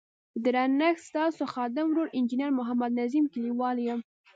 په درنښت ستاسو خادم ورور انجنیر محمد نظیم کلیوال یم.